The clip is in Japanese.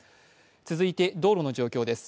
続いて道路の状況です。